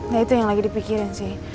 nah itu yang lagi dipikirin sih